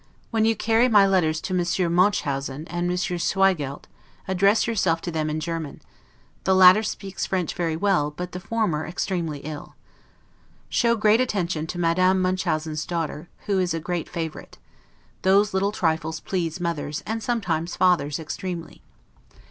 When you carry my letters to Monsieur Munchausen and Monsieur Schwiegeldt, address yourself to them in German; the latter speaks French very well, but the former extremely ill. Show great attention to Madame, Munchausen's daughter, who is a great favorite; those little trifles please mothers, and sometimes fathers, extremely.